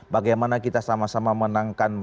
bagaimana kita sama sama menangkan